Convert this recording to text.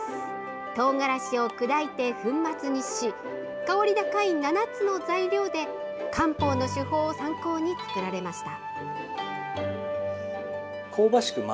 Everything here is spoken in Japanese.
トウガラシを砕いて粉末にし香り高い７つの材料で漢方の手法を参考に作られました。